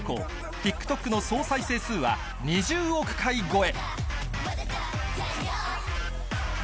ＴｉｋＴｏｋの総再生数は２０億回超え。